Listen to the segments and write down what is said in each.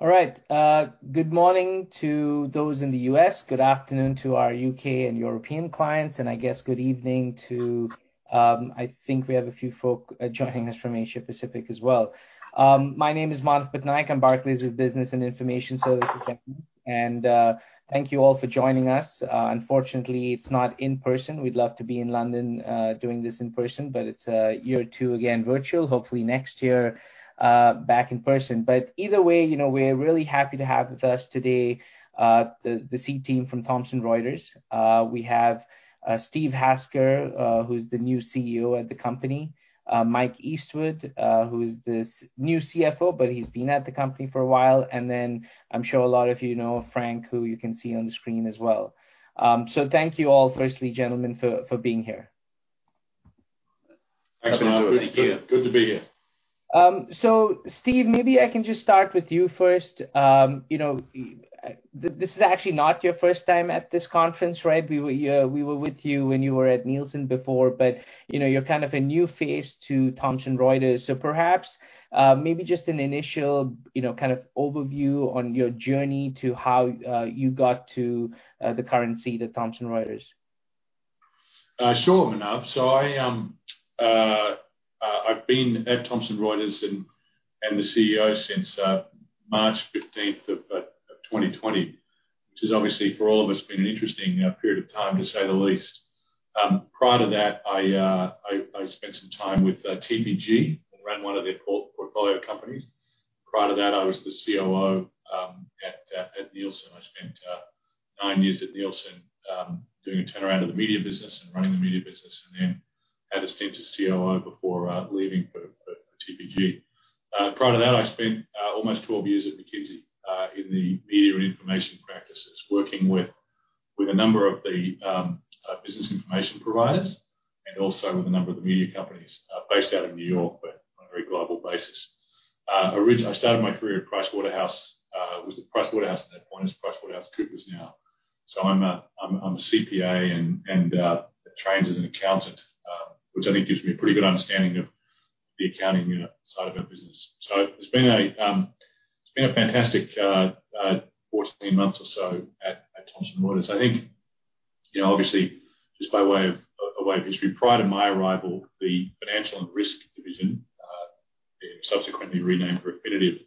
All right. Good morning to those in the U.S. Good afternoon to our U.K. and European clients, and I guess good evening to, I think we have a few folks joining us from Asia-Pacific as well. My name is Manav Patnaik. I come from Barclays' Business and Information Services Analyst, and thank you all for joining us. Unfortunately, it's not in-person. We'd love to be in London doing this in-person, but it's a year or two, again virtual, hopefully next year back in person. But either way, we're really happy to have with us today the C team from Thomson Reuters. We have Steve Hasker, who's the new CEO at the company, Mike Eastwood, who is the new CFO, but he's been at the company for a while. And then I'm sure a lot of you know Frank, who you can see on the screen as well. Thank you all, firstly, gentlemen, for being here. Thanks, Manav. Thank you. Good to be here. So Steve, maybe I can just start with you first. This is actually not your first time at this conference, right? We were with you when you were at Nielsen before, but you're kind of a new face to Thomson Reuters. So perhaps maybe just an initial kind of overview on your journey to how you got to the current seat at Thomson Reuters. Sure, Manav. So I've been at Thomson Reuters as the CEO since March 15th of 2020, which has obviously for all of us been an interesting period of time, to say the least. Prior to that, I spent some time with TPG and ran one of their portfolio companies. Prior to that, I was the COO at Nielsen. I spent nine years at Nielsen doing a turnaround of the media business and running the media business, and then had a stint as COO before leaving for TPG. Prior to that, I spent almost 12 years at McKinsey in the media and information practices, working with a number of the business information providers and also with a number of the media companies based out of New York on a very global basis. I started my career at Price Waterhouse. It was was Price Waterhouse at that point. It's PricewaterhouseCoopers now. So I'm a CPA and trained as an accountant, which I think gives me a pretty good understanding of the accounting side of our business. So it's been a fantastic 14 months or so at Thomson Reuters. I think, obviously, just by way of history, prior to my arrival, the Financial & Risk division, subsequently renamed Refinitiv,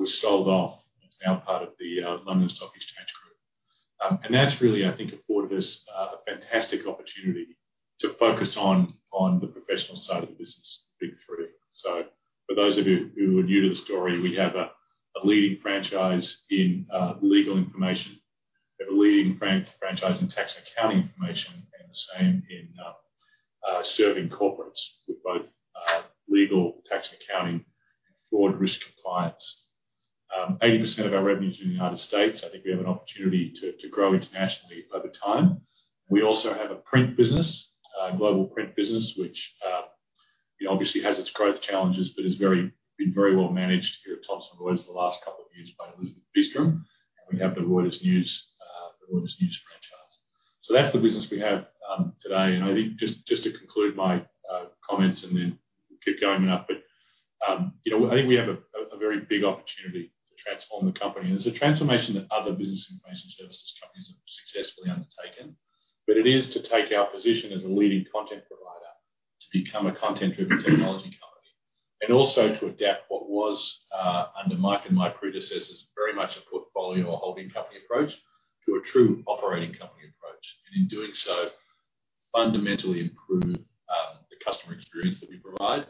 was sold off. It's now part of the London Stock Exchange Group. And that's really, I think, afforded us a fantastic opportunity to focus on the professional side of the business, the Big 3. So for those of you who are new to the story, we have a leading franchise in legal information, a leading franchise in tax and accounting information, and the same in serving corporates with both legal, tax and accounting, and fraud risk compliance. 80% of our revenues are in the United States. I think we have an opportunity to grow internationally over time. We also have a print business, a global print business, which obviously has its growth challenges, but has been very well managed here at Thomson Reuters the last couple of years by Elizabeth Beastrom. We have the Reuters news franchise. So that's the business we have today, and I think just to conclude my comments, and then we'll keep going up, but I think we have a very big opportunity to transform the company, and it's a transformation that other business information services companies have successfully undertaken, but it is to take our position as a leading content provider to become a content-driven technology company and also to adapt what was under Mike and my predecessors very much a portfolio or holding company approach to a true operating company approach. And in doing so, fundamentally improve the customer experience that we provide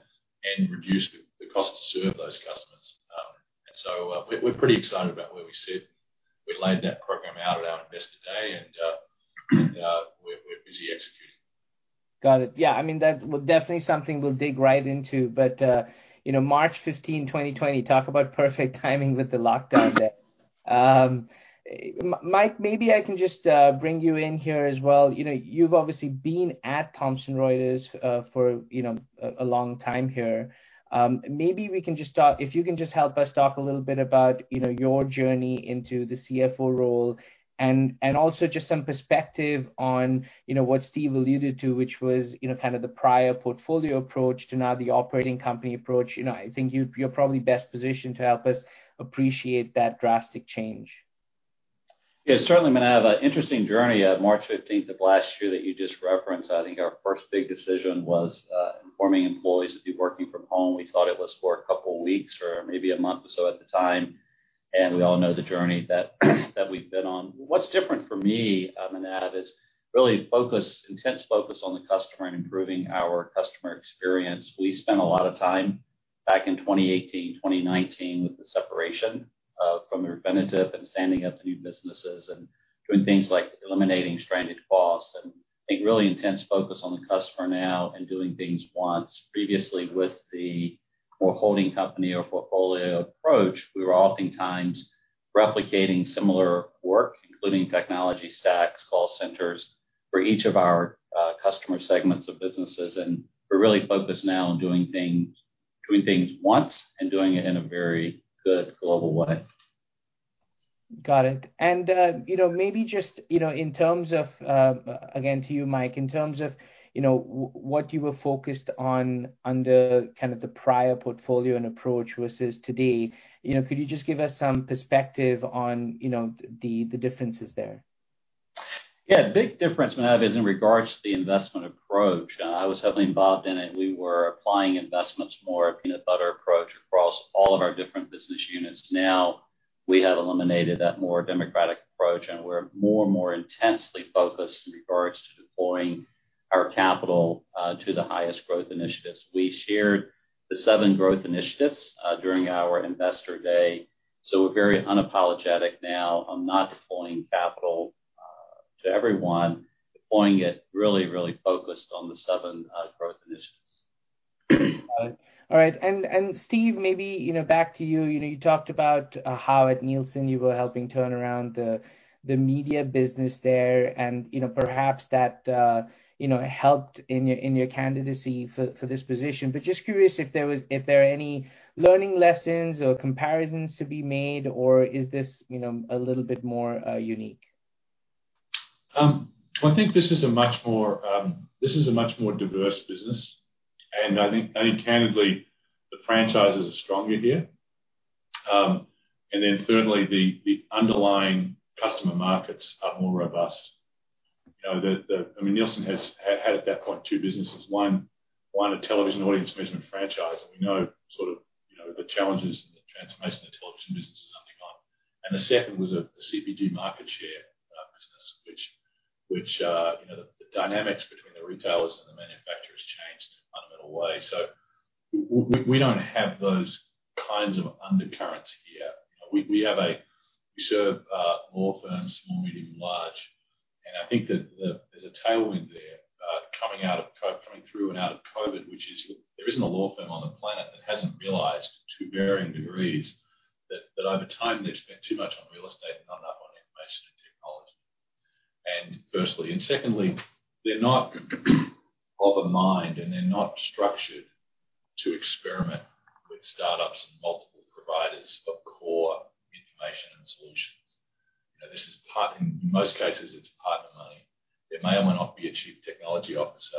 and reduce the cost to serve those customers. And so we're pretty excited about where we sit. We laid that program out at our Investor Day, and we're busy executing. Got it. Yeah. I mean, that's definitely something we'll dig right into. But March 15, 2020, talk about perfect timing with the lockdown there. Mike, maybe I can just bring you in here as well. You've obviously been at Thomson Reuters for a long time here. Maybe we can just start, if you can just help us talk a little bit about your journey into the CFO role and also just some perspective on what Steve alluded to, which was kind of the prior portfolio approach to now the operating company approach. I think you're probably best positioned to help us appreciate that drastic change. Yeah, certainly. I mean, I have an interesting journey of March 15th of last year that you just referenced. I think our first big decision was informing employees to be working from home. We thought it was for a couple of weeks or maybe a month or so at the time. And we all know the journey that we've been on. What's different for me, I mean, that is really intense focus on the customer and improving our customer experience. We spent a lot of time back in 2018, 2019 with the separation from Refinitiv and standing up new businesses and doing things like eliminating stranded costs and really intense focus on the customer now and doing things once. Previously, with the more holding company or portfolio approach, we were oftentimes replicating similar work, including technology stacks, call centers for each of our customer segments of businesses. We're really focused now on doing things once and doing it in a very good global way. Got it. And maybe just in terms of, again, to you, Mike, in terms of what you were focused on under kind of the prior portfolio and approach versus today, could you just give us some perspective on the differences there? Yeah. Big difference, Manav, is in regards to the investment approach. I was heavily involved in it. We were applying investments more. A better approach across all of our different business units. Now we have eliminated that more democratic approach, and we're more and more intensely focused in regards to deploying our capital to the highest growth initiatives. We shared the seven growth initiatives during our Investor Day. So we're very unapologetic now on not deploying capital to everyone, deploying it really, really focused on the seven growth initiatives. Got it. All right. And Steve, maybe back to you. You talked about how at Nielsen you were helping turn around the media business there, and perhaps that helped in your candidacy for this position. But just curious if there are any learning lessons or comparisons to be made, or is this a little bit more unique? I think this is a much more diverse business. I think, candidly, the franchises are stronger here. Thirdly, the underlying customer markets are more robust. I mean, Nielsen had, at that point, two businesses. One, a television audience management franchise, and we know sort of the challenges in the transformation of the television business is undergone, and the second was a CPG market share business, which the dynamics between the retailers and the manufacturers changed in a fundamental way, so we don't have those kinds of undercurrents here. We serve law firms, small, medium, and large. I think there's a tailwind there coming through and out of COVID, which is there isn't a law firm on the planet that hasn't realized to varying degrees that over time they've spent too much on real estate and not enough on information and technology. Secondly, they're not of a mind, and they're not structured to experiment with startups and multiple providers of core information and solutions. In most cases, it's partner money. They may or may not be a chief technology officer.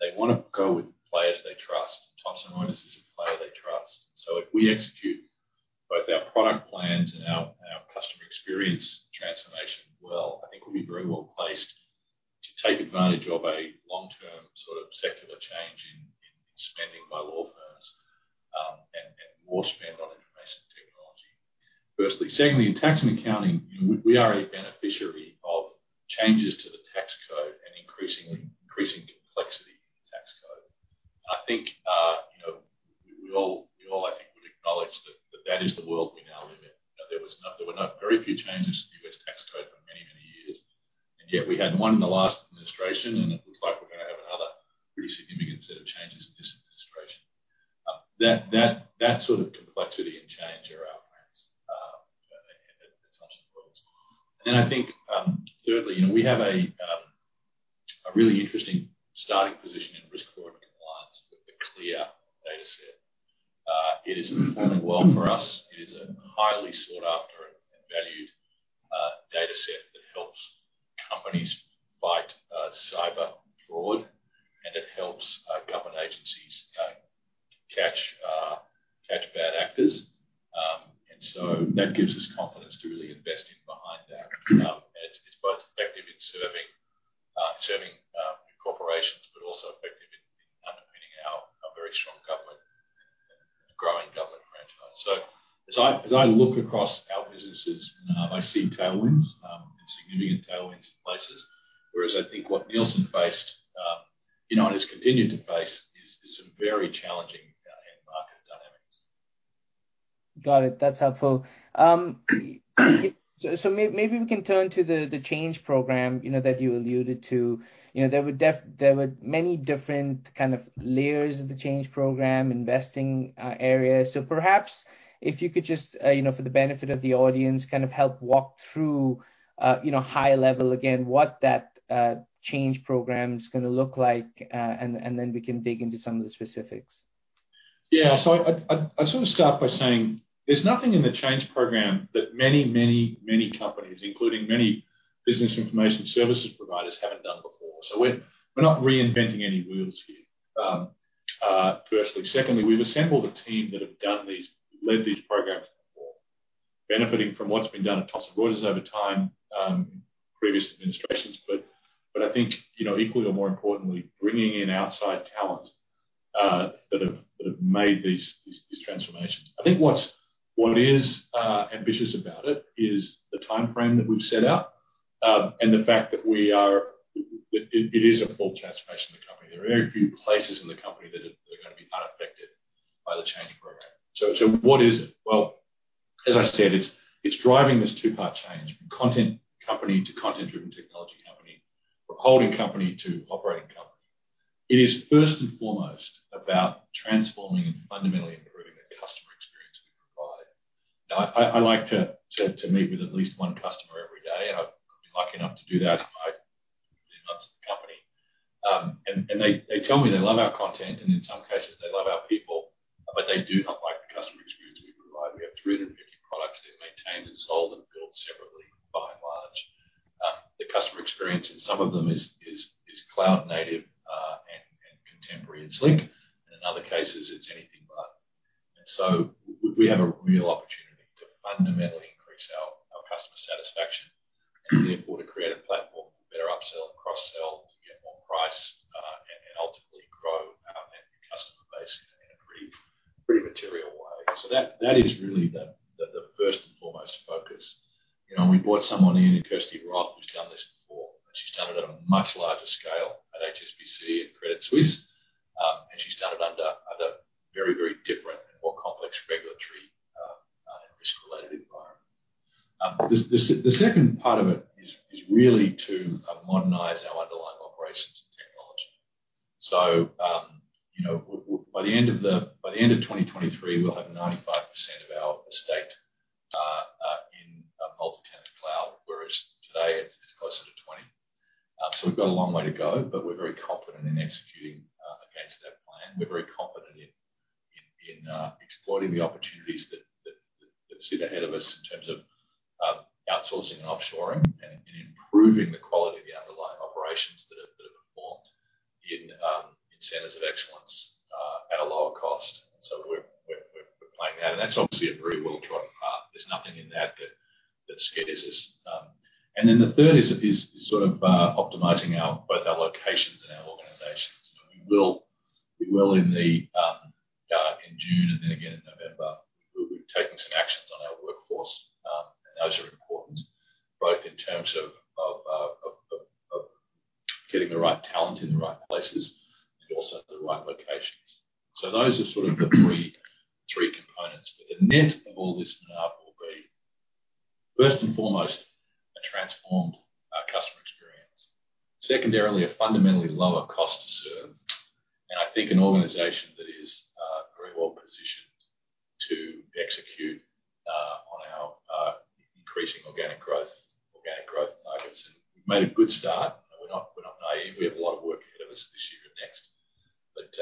They want to go with players they trust. Thomson Reuters is a player they trust. So if we execute both our product plans and our customer experience transformation well, I think we'll be very well placed to take advantage of a long-term sort of secular change in spending by law firms and more spend on information technology. Secondly, in tax and accounting, we are a beneficiary of changes to the tax code and increasing complexity in the tax code. I think we all, I think, would acknowledge that that is the world we now live in. There were very few changes to the U.S. tax code for many, many years. And yet we had one in the last administration, and it looks like we're going to have another pretty significant set of changes in this administration. That sort of complexity and change are our play at Thomson Reuters. And then I think, thirdly, we have a really interesting starting position in risk, fraud, and compliance with a CLEAR data set. It is performing well for us. It is a highly sought-after and valued data set that helps companies fight cyber fraud, and it helps government agencies catch bad actors. And so that gives us confidence to really invest in behind that. It's both effective in serving corporations, but also effective in underpinning our very strong growing government franchise. So as I look across our businesses, I see tailwinds and significant tailwinds in places, whereas I think what Nielsen faced and has continued to face is some very challenging market dynamics. Got it. That's helpful. So maybe we can turn to the change program that you alluded to. There were many different kind of layers of the change program, investing areas. So perhaps if you could just, for the benefit of the audience, kind of help walk through high level again what that change program is going to look like, and then we can dig into some of the specifics. Yeah, so I sort of start by saying there's nothing in the change program that many, many, many companies, including many business information services providers, haven't done before. So we're not reinventing any wheels here, firstly. Secondly, we've assembled a team that have led these programs before, benefiting from what's been done at Thomson Reuters over time, previous administrations. But I think equally or more importantly, bringing in outside talent that have made these transformations. I think what is ambitious about it is the timeframe that we've set out and the fact that it is a full transformation of the company. There are very few places in the company that are going to be unaffected by the change program. So what is it? Well, as I said, it's driving this two-part change from content company to content-driven technology company, from holding company to operating company. It is first and foremost about transforming and fundamentally improving the customer experience we provide. I like to meet with at least one customer every day, and I've been lucky enough to do that in my 15 months at the company, and they tell me they love our content, and in some cases, they love our people, but they do not like the customer experience we provide. We have 350 products that are maintained and sold and built separately by and large. The customer experience in some of them is cloud-native and contemporary and slick, and in other cases, it's anything but, and so we have a real opportunity to fundamentally increase our customer satisfaction and therefore to create a platform for better upsell and cross-sell to get more price and ultimately grow that customer base in a pretty material way, so that is really the first and foremost focus. We brought someone in, Kirsty Roth, who's done this before. She started at a much larger scale at HSBC and Credit Suisse, and she started under very, very different and more complex regulatory and risk-related environments. The second part of it is really to modernize our underlying operations and technology. So by the end of 2023, we'll have 95% of our estate in multi-tenant cloud, whereas today it's closer to 20%. So we've got a long way to go, but we're very confident in executing against that plan. We're very confident in exploiting the opportunities that sit ahead of us in terms of outsourcing and offshoring and improving the quality of the underlying operations that have performed in centers of excellence at a lower cost. So we're playing that. And that's obviously a very well-trodden path. There's nothing in that that scares us. And then the third is sort of optimizing both our locations and our organizations. We will in June and then again in November, we're taking some actions on our workforce, and those are important both in terms of getting the right talent in the right places and also the right locations. So those are sort of the three components. But the net of all this will be, first and foremost, a transformed customer experience. Secondarily, a fundamentally lower cost to serve. And I think an organization that is very well positioned to execute on our increasing organic growth targets. And we've made a good start. We're not naive. We have a lot of work ahead of us this year and next, but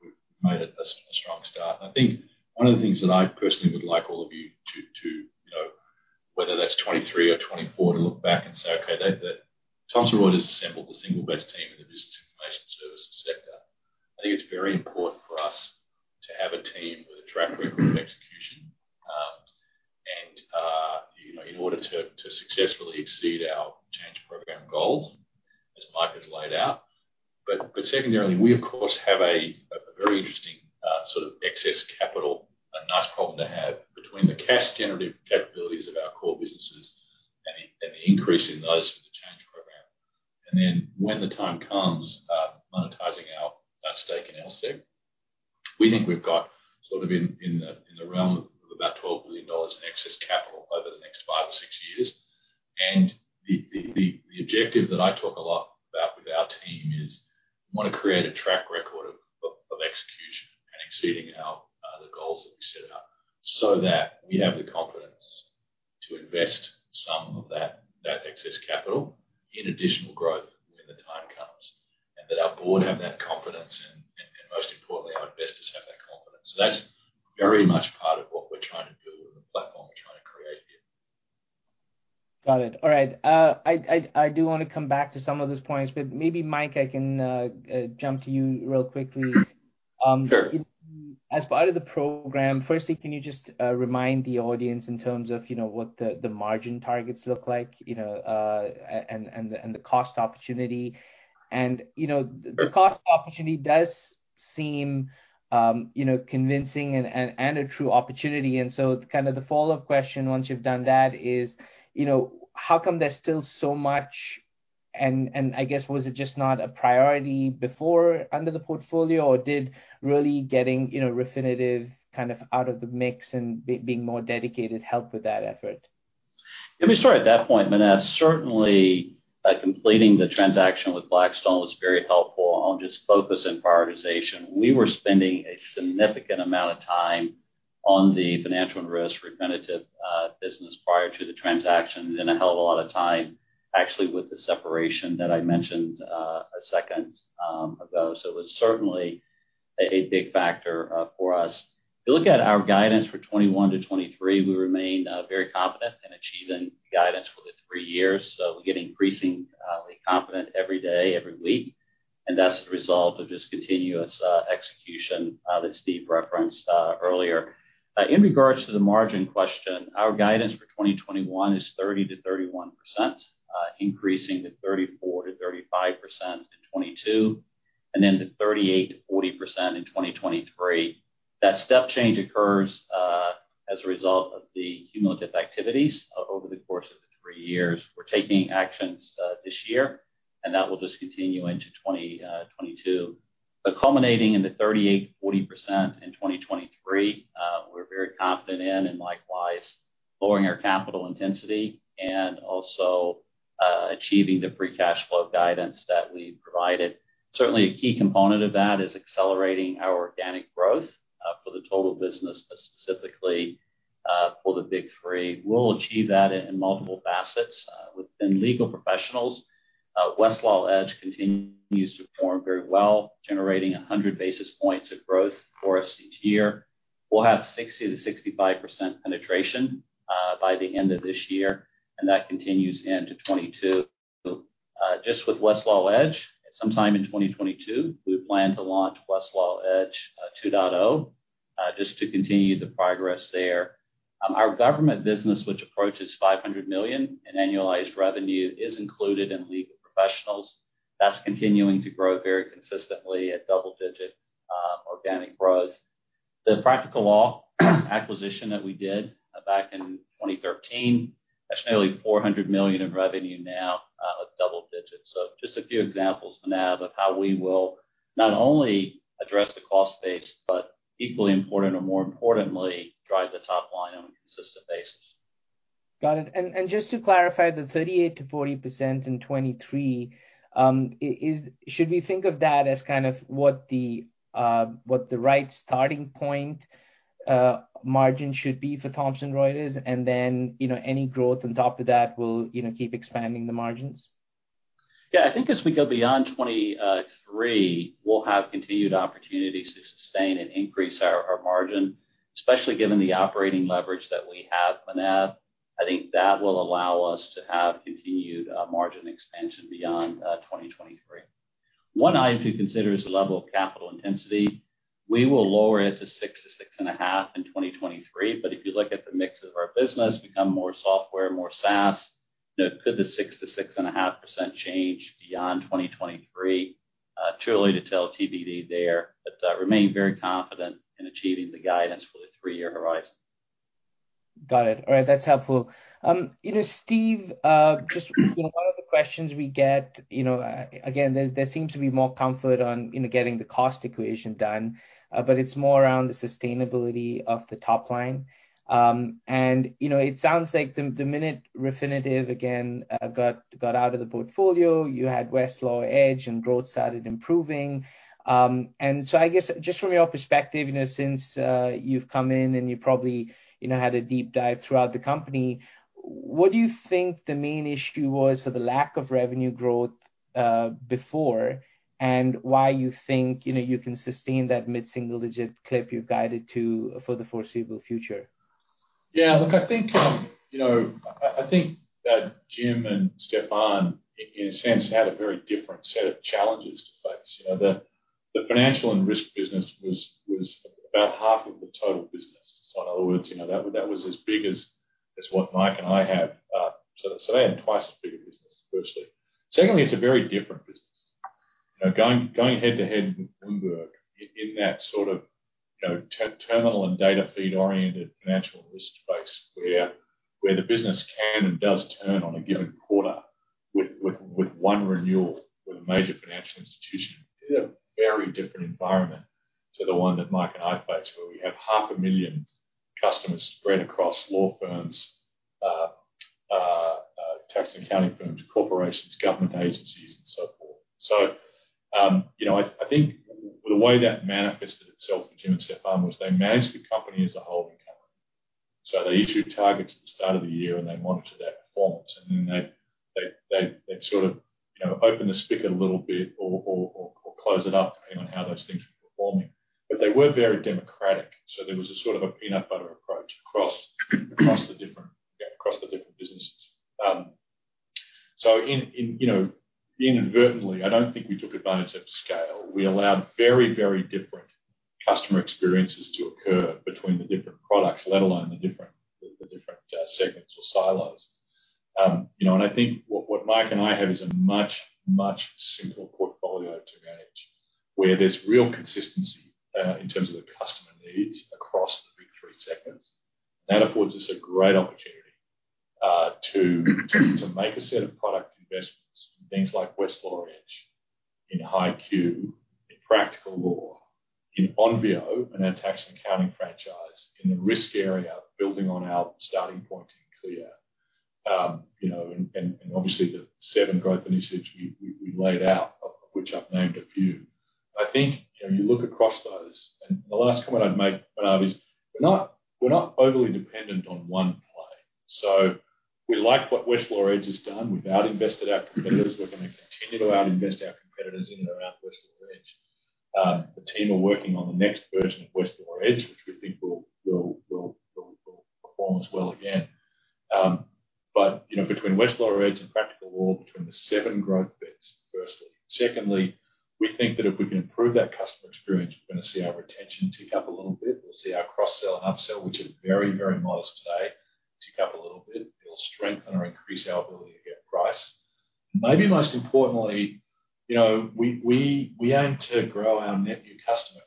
we've made a strong start. And I think one of the things that I personally would like all of you to, whether that's 2023 or 2024, to look back and say, "Okay, Thomson Reuters has assembled the single best team in the business information services sector." I think it's very important for us to have a team with a track record of execution in order to successfully exceed our change program goals, as Mike has laid out. But secondarily, we, of course, have a very interesting sort of excess capital, a nice problem to have between the cash-generative capabilities of our core businesses and the increase in those with the change program. And then when the time comes, monetizing our stake in our sector. We think we've got sort of in the realm of about $12 billion in excess capital over the next five or six years. The objective that I talk a lot about with our team is we want to create a track record of execution and exceeding the goals that we set out so that we have the confidence to invest some of that excess capital in additional growth when the time comes and that our board have that confidence and, most importantly, our investors have that confidence. That's very much part of what we're trying to build and the platform we're trying to create here. Got it. All right. I do want to come back to some of those points, but maybe, Mike, I can jump to you real quickly. As part of the program, firstly, can you just remind the audience in terms of what the margin targets look like and the cost opportunity? And the cost opportunity does seem convincing and a true opportunity. And so kind of the follow-up question once you've done that is, how come there's still so much, and I guess, was it just not a priority before under the portfolio, or did really getting Refinitiv kind of out of the mix and being more dedicated help with that effort? Yeah. We started at that point, but certainly completing the transaction with Blackstone was very helpful on just focus and prioritization. We were spending a significant amount of time on the financial and risk Refinitiv business prior to the transaction and then a hell of a lot of time actually with the separation that I mentioned a second ago. So it was certainly a big factor for us. If you look at our guidance for 2021 to 2023, we remain very confident in achieving guidance for the three years. So we get increasingly confident every day, every week. And that's the result of just continuous execution that Steve referenced earlier. In regards to the margin question, our guidance for 2021 is 30%-31%, increasing to 34%-35% in 2022, and then to 38%-40% in 2023. That step change occurs as a result of the cumulative activities over the course of the three years. We're taking actions this year, and that will just continue into 2022, but culminating in the 38%-40% in 2023, we're very confident in and likewise lowering our capital intensity and also achieving the free cash flow guidance that we provided. Certainly, a key component of that is accelerating our organic growth for the total business, but specifically for the Big 3. We'll achieve that in multiple facets within Legal Professionals. Westlaw Edge continues to perform very well, generating 100 basis points of growth for us each year. We'll have 60%-65% penetration by the end of this year, and that continues into 2022. Just with Westlaw Edge, sometime in 2022, we plan to launch Westlaw Edge 2.0 just to continue the progress there. Our government business, which approaches $500 million in annualized revenue, is included in Legal Professionals. That's continuing to grow very consistently at double-digit organic growth. The Practical Law acquisition that we did back in 2013, that's nearly $400 million in revenue now at double digits. So just a few examples now of how we will not only address the cost base, but equally important or more importantly, drive the top line on a consistent basis. Got it. And just to clarify, the 38%-40% in 2023, should we think of that as kind of what the right starting point margin should be for Thomson Reuters? And then any growth on top of that will keep expanding the margins? Yeah. I think as we go beyond 2023, we'll have continued opportunities to sustain and increase our margin, especially given the operating leverage that we have. I think that will allow us to have continued margin expansion beyond 2023. One item to consider is the level of capital intensity. We will lower it to 6%-6.5% in 2023. But if you look at the mix of our business, we become more software, more SaaS. Could the 6%-6.5% change beyond 2023? Too early to tell TBD there, but remain very confident in achieving the guidance for the three-year horizon. Got it. All right. That's helpful. Steve, just one of the questions we get, again, there seems to be more comfort on getting the cost equation done, but it's more around the sustainability of the top line. And it sounds like the minute Refinitiv again got out of the portfolio, you had Westlaw Edge and growth started improving. And so I guess just from your perspective, since you've come in and you probably had a deep dive throughout the company, what do you think the main issue was for the lack of revenue growth before and why you think you can sustain that mid-single-digit clip you've guided to for the foreseeable future? Yeah. Look, I think that Jim and Stephane, in a sense, had a very different set of challenges to face. The financial and risk business was about half of the total business. So in other words, that was as big as what Mike and I have. So they had twice as big a business, firstly. Secondly, it's a very different business. Going head-to-head with Bloomberg in that sort of terminal and data feed-oriented financial risk space where the business can and does turn on a given quarter with one renewal with a major financial institution, it's a very different environment to the one that Mike and I face where we have 500,000 customers spread across law firms, tax and accounting firms, corporations, government agencies, and so forth. So I think the way that manifested itself for Jim and Stephane was they managed the company as a holding company. So they issued targets at the start of the year, and they monitored that performance. And then they sort of opened the spigot a little bit or close it up depending on how those things were performing. But they were very democratic. So there was a sort of a peanut butter approach across the different businesses. So inadvertently, I don't think we took advantage of scale. We allowed very, very different customer experiences to occur between the different products, let alone the different segments or silos. And I think what Mike and I have is a much, much simpler portfolio to manage where there's real consistency in terms of the customer needs across the Big 3 segments. That affords us a great opportunity to make a set of product investments in things like Westlaw Edge, in HighQ, in Practical Law, in Onvio, in our tax and accounting franchise, in the risk area, building on our starting point in CLEAR, and obviously, the seven growth initiatives we laid out, of which I've named a few. I think you look across those, and the last comment I'd make about is we're not overly dependent on one play, so we like what Westlaw Edge has done. We've out-invested our competitors. We're going to continue to out-invest our competitors in and around Westlaw Edge. The team are working on the next version of Westlaw Edge, which we think will perform as well again, but between Westlaw Edge and Practical Law, between the seven growth bets, firstly. Secondly, we think that if we can improve that customer experience, we're going to see our retention tick up a little bit. We'll see our cross-sell and upsell, which are very, very modest today, tick up a little bit. It'll strengthen or increase our ability to get price. Maybe most importantly, we aim to grow our net new customer count.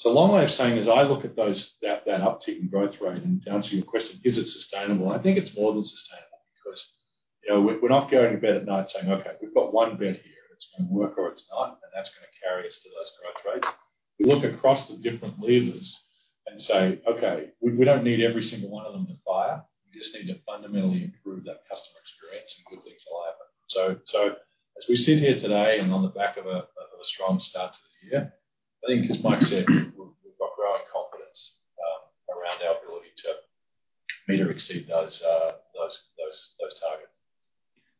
So a long way of saying is I look at that uptick in growth rate and answer your question, is it sustainable? And I think it's more than sustainable because we're not going to bed at night saying, "Okay, we've got one bet here. It's going to work or it's not, and that's going to carry us to those growth rates." We look across the different levers and say, "Okay, we don't need every single one of them to fire. We just need to fundamentally improve that customer experience and good things will happen," so as we sit here today and on the back of a strong start to the year, I think, as Mike said, we've got growing confidence around our ability to meet or exceed those targets.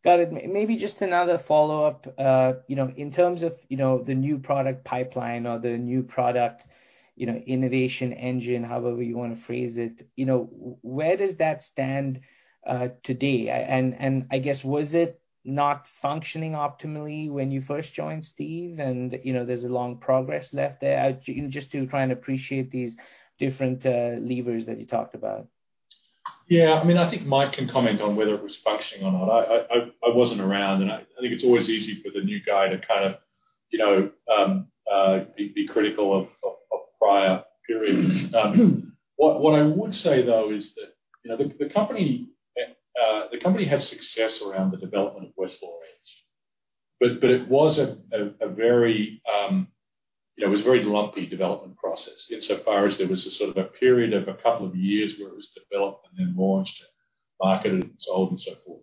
Got it. Maybe just another follow-up. In terms of the new product pipeline or the new product innovation engine, however you want to phrase it, where does that stand today? And I guess, was it not functioning optimally when you first joined, Steve? And there's a long progress left there just to try and appreciate these different levers that you talked about. Yeah. I mean, I think Mike can comment on whether it was functioning or not. I wasn't around, and I think it's always easy for the new guy to kind of be critical of prior periods. What I would say, though, is that the company had success around the development of Westlaw Edge, but it was a very lumpy development process insofar as there was a sort of a period of a couple of years where it was developed and then launched and marketed and sold and so forth.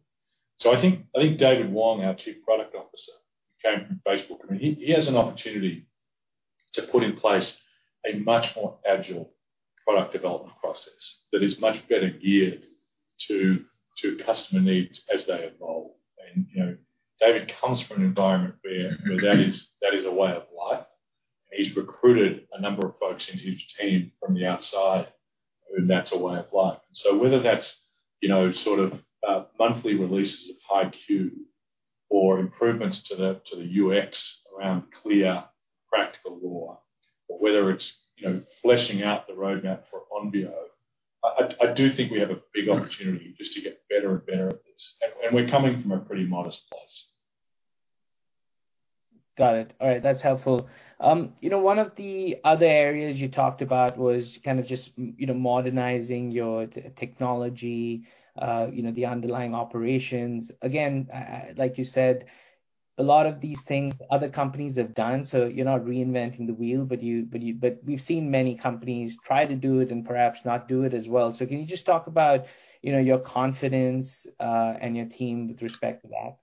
So I think David Wong, our Chief Product Officer, who came from Facebook, he has an opportunity to put in place a much more agile product development process that is much better geared to customer needs as they evolve. And David comes from an environment where that is a way of life. He's recruited a number of folks into his team from the outside, and that's a way of life. And so whether that's sort of monthly releases of HighQ or improvements to the UX around CLEAR, Practical Law, or whether it's fleshing out the roadmap for Onvio, I do think we have a big opportunity just to get better and better at this. And we're coming from a pretty modest place. Got it. All right. That's helpful. One of the other areas you talked about was kind of just modernizing your technology, the underlying operations. Again, like you said, a lot of these things other companies have done. So you're not reinventing the wheel, but we've seen many companies try to do it and perhaps not do it as well. So can you just talk about your confidence and your team with respect to that?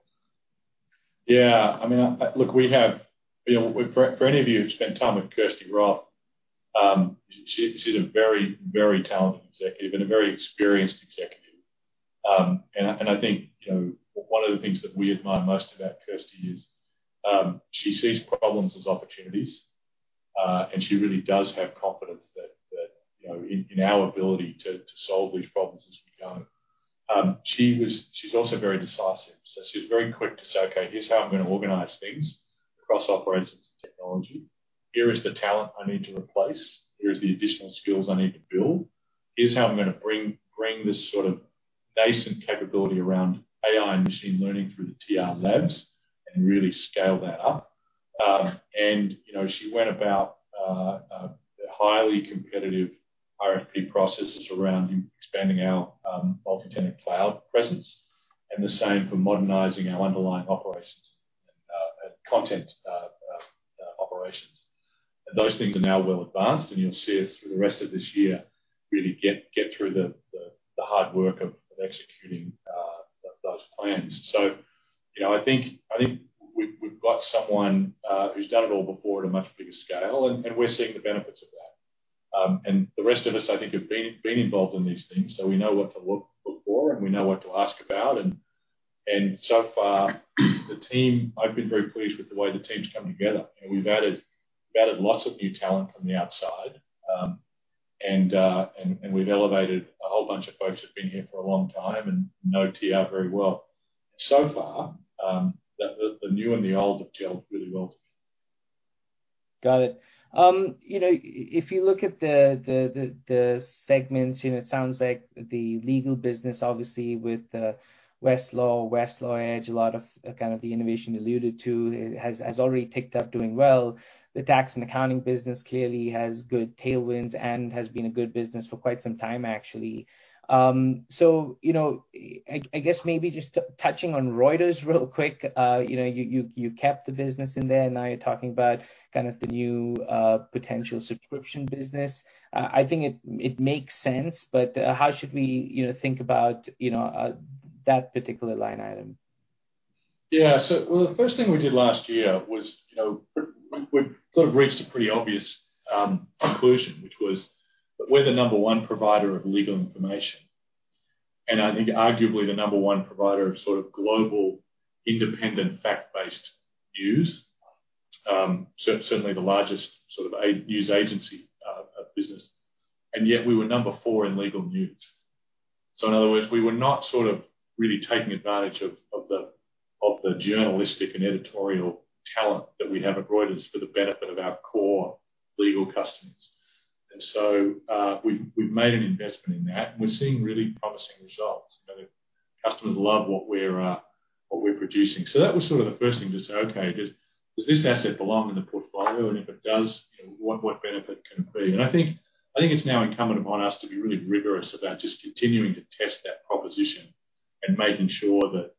Yeah. I mean, look, we have for any of you who've spent time with Kirsty Roth, she's a very, very talented executive and a very experienced executive. And I think one of the things that we admire most about Kirsty is she sees problems as opportunities, and she really does have confidence that in our ability to solve these problems as we go. She's also very decisive. So she's very quick to say, "Okay, here's how I'm going to organize things across operations and technology. Here is the talent I need to replace. Here are the additional skills I need to build. Here's how I'm going to bring this sort of nascent capability around AI and machine learning through the TR Labs and really scale that up, and she went about highly competitive RFP processes around expanding our multi-tenant cloud presence and the same for modernizing our underlying operations and content operations, and those things are now well advanced, and you'll see us through the rest of this year really get through the hard work of executing those plans, so I think we've got someone who's done it all before at a much bigger scale, and we're seeing the benefits of that, and the rest of us, I think, have been involved in these things, so we know what to look for, and we know what to ask about, and so far, the team, I've been very pleased with the way the team's come together. We've added lots of new talent from the outside, and we've elevated a whole bunch of folks who've been here for a long time and know TR very well. So far, the new and the old have gelled really well together. Got it. If you look at the segments, it sounds like the legal business, obviously, with Westlaw, Westlaw Edge, a lot of kind of the innovation alluded to has already ticked up, doing well. The tax and accounting business clearly has good tailwinds and has been a good business for quite some time, actually. So I guess maybe just touching on Reuters real quick, you kept the business in there, and now you're talking about kind of the new potential subscription business. I think it makes sense, but how should we think about that particular line item? Yeah. So well, the first thing we did last year was we sort of reached a pretty obvious conclusion, which was we're the number one provider of legal information, and I think arguably the number one provider of sort of global independent fact-based news, certainly the largest sort of news agency business, and yet we were number four in legal news. So in other words, we were not sort of really taking advantage of the journalistic and editorial talent that we have at Reuters for the benefit of our core legal customers, and so we've made an investment in that, and we're seeing really promising results. Customers love what we're producing. So that was sort of the first thing to say, "Okay, does this asset belong in the portfolio? And if it does, what benefit can it be?" And I think it's now incumbent upon us to be really rigorous about just continuing to test that proposition and making sure that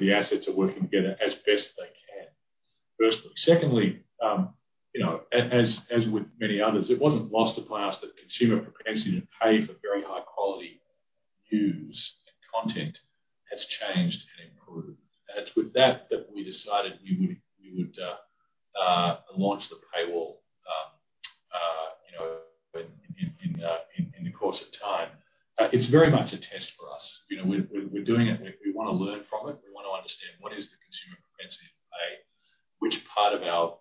the assets are working together as best they can. Secondly, as with many others, it wasn't lost on us that consumer propensity to pay for very high-quality news and content has changed and improved. And it's with that that we decided we would launch the paywall in due course. It's very much a test for us. We're doing it. We want to learn from it. We want to understand what is the consumer propensity to pay, which part of our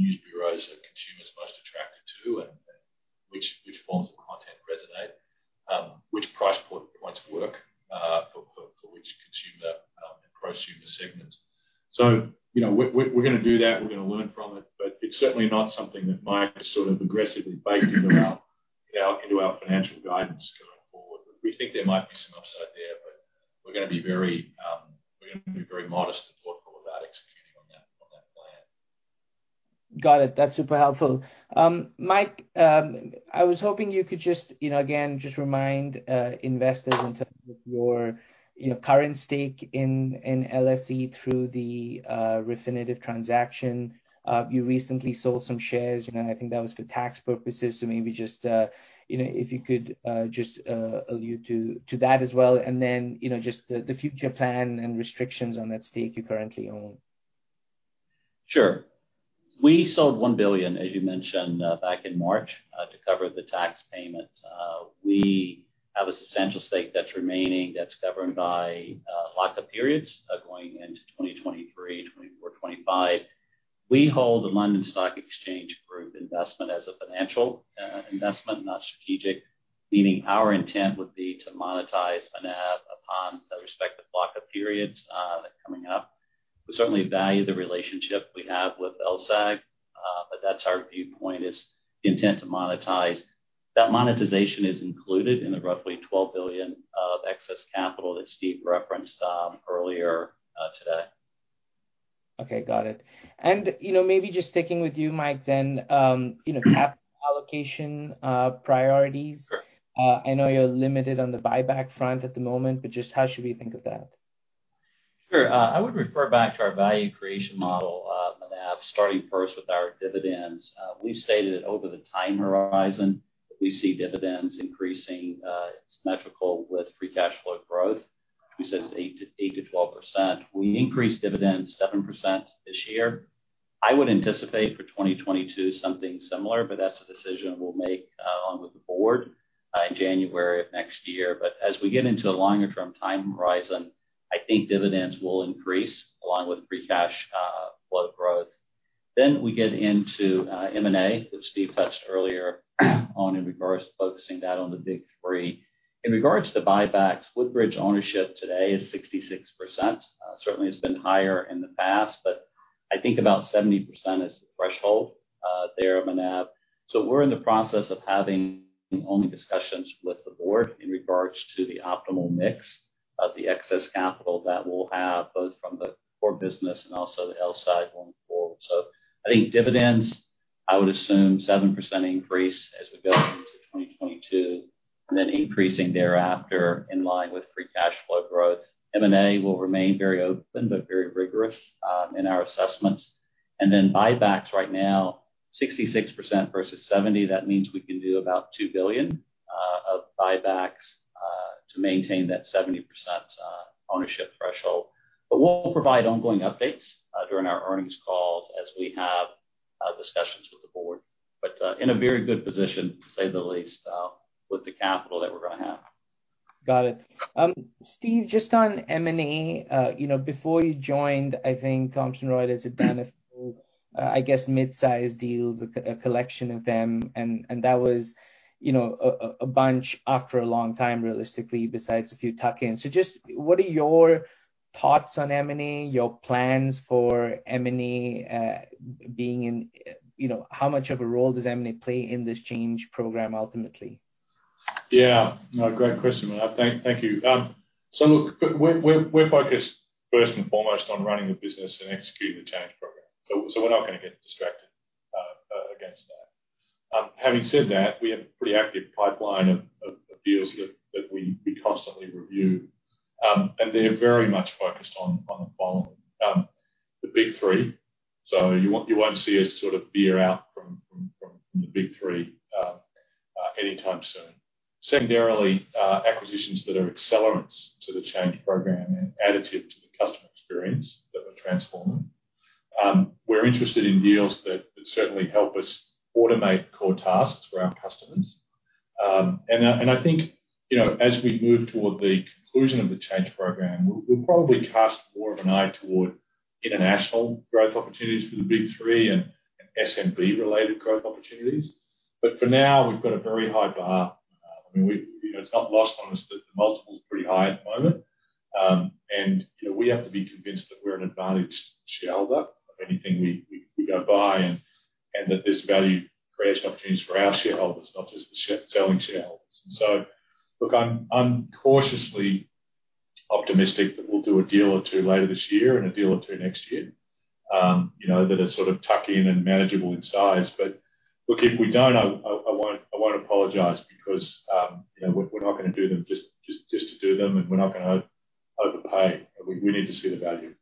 news bureaus are consumers most attracted to, and which forms of content resonate, which price points work for which consumer and prosumer segments. So we're going to do that. We're going to learn from it, but it's certainly not something that Mike has sort of aggressively baked into our financial guidance going forward. We think there might be some upside there, but we're going to be very modest and thoughtful about executing on that plan. Got it. That's super helpful. Mike, I was hoping you could just, again, just remind investors in terms of your current stake in LSE through the Refinitiv transaction. You recently sold some shares. I think that was for tax purposes, so maybe just if you could just allude to that as well, and then just the future plan and restrictions on that stake you currently own. Sure. We sold $1 billion, as you mentioned, back in March to cover the tax payment. We have a substantial stake that's remaining that's governed by lockup periods going into 2023, 2024, 2025. We hold the London Stock Exchange Group investment as a financial investment, not strategic, meaning our intent would be to monetize and have upon the respective lockup periods coming up. We certainly value the relationship we have with LSEG, but that's our viewpoint is the intent to monetize. That monetization is included in the roughly $12 billion of excess capital that Steve referenced earlier today. Okay. Got it. And maybe just sticking with you, Mike, then capital allocation priorities. I know you're limited on the buyback front at the moment, but just how should we think of that? Sure. I would refer back to our value creation model, starting first with our dividends. We've stated that over the time horizon, we see dividends increasing symmetrical with free cash flow growth. We said it's 8%-12%. We increased dividends 7% this year. I would anticipate for 2022 something similar, but that's a decision we'll make along with the board in January of next year. But as we get into a longer-term time horizon, I think dividends will increase along with free cash flow growth. Then we get into M&A, which Steve touched earlier on in regards to focusing that on the Big 3. In regards to buybacks, Woodbridge ownership today is 66%. Certainly, it's been higher in the past, but I think about 70% is the threshold there of M&A. We're in the process of having ongoing discussions with the board in regards to the optimal mix of the excess capital that we'll have both from the core business and also the LSEG going forward. I think dividends, I would assume 7% increase as we go into 2022, and then increasing thereafter in line with free cash flow growth. M&A will remain very open but very rigorous in our assessments. Then buybacks right now, 66% versus 70%, that means we can do about $2 billion of buybacks to maintain that 70% ownership threshold. We'll provide ongoing updates during our earnings calls as we have discussions with the board. We're in a very good position, to say the least, with the capital that we're going to have. Got it. Steve, just on M&A, before you joined, I think Thomson Reuters had done a, I guess, mid-sized deal, a collection of them, and that was a bunch after a long time, realistically, besides a few tuck-ins. So just what are your thoughts on M&A, your plans for M&A being in how much of a role does M&A play in this change program ultimately? Yeah. Great question, Manav. Thank you. So look, we're focused first and foremost on running the business and executing the change program. So we're not going to get distracted against that. Having said that, we have a pretty active pipeline of deals that we constantly review, and they're very much focused on the following, the Big 3. So you won't see us sort of veer out from the Big 3 anytime soon. Secondarily, acquisitions that are accelerants to the change program and additive to the customer experience that we're transforming. We're interested in deals that certainly help us automate core tasks for our customers. And I think as we move toward the conclusion of the change program, we'll probably cast more of an eye toward international growth opportunities for the Big 3 and SMB-related growth opportunities. But for now, we've got a very high bar. I mean, it's not lost on us that the multiple is pretty high at the moment, and we have to be convinced that we're an advantaged shareholder of anything we go by and that this value creates opportunities for our shareholders, not just the selling shareholders. And so look, I'm cautiously optimistic that we'll do a deal or two later this year and a deal or two next year that are sort of tuck-in and manageable in size. But look, if we don't, I won't apologize because we're not going to do them just to do them, and we're not going to overpay. We need to see the value.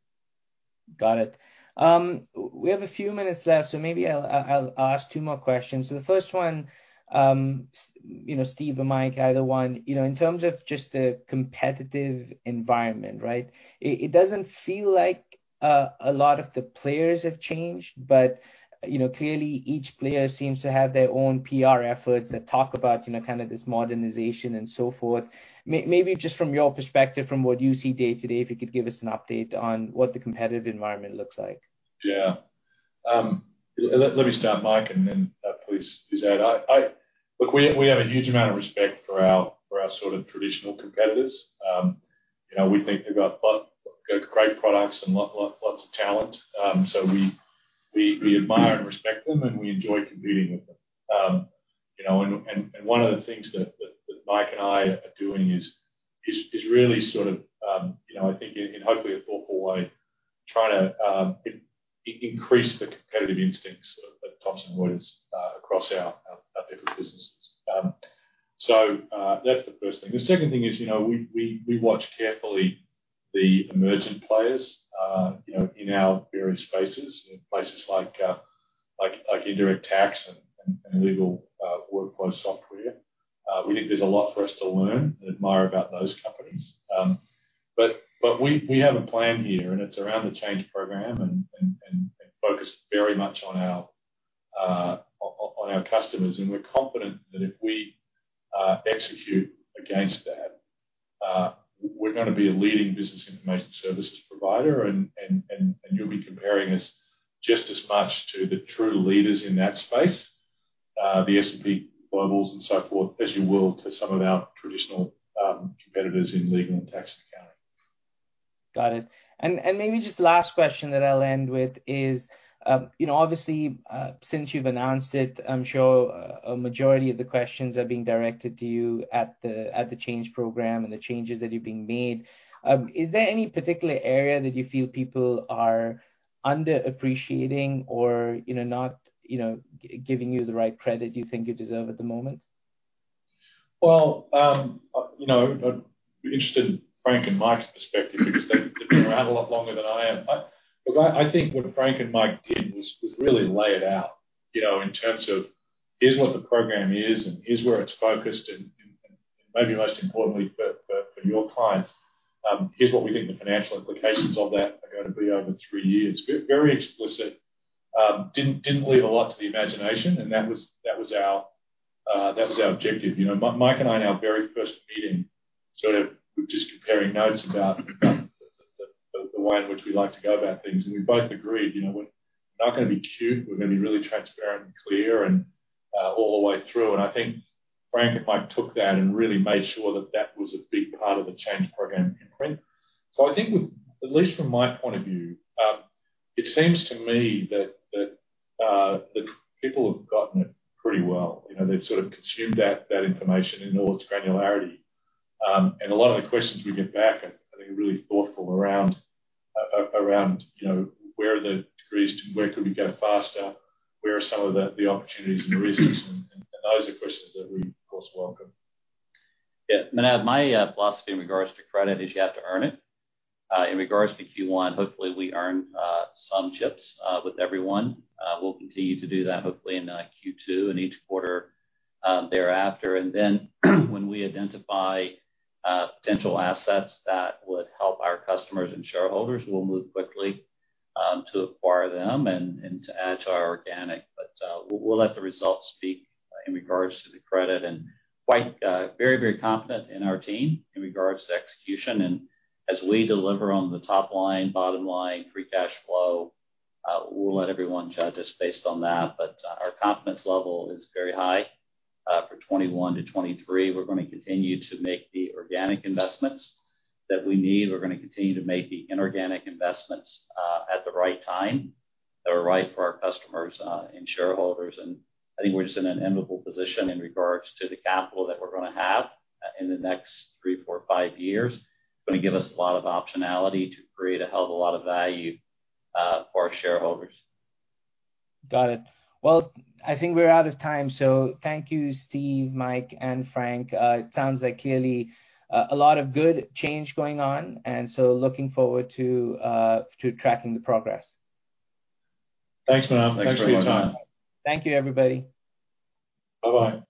Got it. We have a few minutes left, so maybe I'll ask two more questions. So the first one, Steve or Mike, either one, in terms of just the competitive environment, right? It doesn't feel like a lot of the players have changed, but clearly, each player seems to have their own PR efforts that talk about kind of this modernization and so forth. Maybe just from your perspective, from what you see day to day, if you could give us an update on what the competitive environment looks like. Yeah. Let me start, Mike, and then please do that. Look, we have a huge amount of respect for our sort of traditional competitors. We think they've got great products and lots of talent. So we admire and respect them, and we enjoy competing with them. And one of the things that Mike and I are doing is really sort of, I think, in hopefully a thoughtful way, trying to increase the competitive instincts at Thomson Reuters across our different businesses. So that's the first thing. The second thing is we watch carefully the emergent players in our various spaces, places like indirect tax and legal workflow software. We think there's a lot for us to learn and admire about those companies. But we have a plan here, and it's around the change program and focused very much on our customers. And we're confident that if we execute against that, we're going to be a leading business information services provider, and you'll be comparing us just as much to the true leaders in that space, the S&P Global and so forth, as you will to some of our traditional competitors in legal and tax and accounting. Got it, and maybe just the last question that I'll end with is, obviously, since you've announced it, I'm sure a majority of the questions are being directed to you at the change program and the changes that are being made. Is there any particular area that you feel people are underappreciating or not giving you the right credit you think you deserve at the moment? Well, I'm interested in Frank and Mike's perspective because they've been around a lot longer than I am. Look, I think what Frank and Mike did was really lay it out in terms of, "Here's what the program is, and here's where it's focused." And maybe most importantly for your clients, "Here's what we think the financial implications of that are going to be over three years." Very explicit. Didn't leave a lot to the imagination, and that was our objective. Mike and I, in our very first meeting, sort of were just comparing notes about the way in which we like to go about things, and we both agreed, "We're not going to be cute. We're going to be really transparent and clear all the way through." And I think Frank and Mike took that and really made sure that that was a big part of the change program in print. So I think, at least from my point of view, it seems to me that the people have gotten it pretty well. They've sort of consumed that information in all its granularity. And a lot of the questions we get back are really thoughtful around where are the degrees, where could we go faster, where are some of the opportunities and the risks. And those are questions that we, of course, welcome. Yeah. My philosophy in regards to credit is you have to earn it. In regards to Q1, hopefully, we earn some chips with everyone. We'll continue to do that, hopefully, in Q2 and each quarter thereafter. And then when we identify potential assets that would help our customers and shareholders, we'll move quickly to acquire them and to add to our organic. But we'll let the results speak in regards to the credit. Quite, very, very confident in our team in regards to execution. And as we deliver on the top line, bottom line, free cash flow, we'll let everyone judge us based on that. But our confidence level is very high for 2021-2023. We're going to continue to make the organic investments that we need. We're going to continue to make the inorganic investments at the right time that are right for our customers and shareholders. I think we're just in an enviable position in regards to the capital that we're going to have in the next three, four, five years. It's going to give us a lot of optionality to create a hell of a lot of value for our shareholders. Got it. Well, I think we're out of time. So thank you, Steve, Mike, and Frank. It sounds like clearly a lot of good change going on, and so looking forward to tracking the progress. Thanks, Matt. Thanks for your time. Thank you, everybody. Bye-bye.